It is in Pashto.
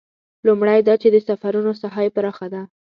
لومړی دا چې د سفرونو ساحه یې پراخه ده.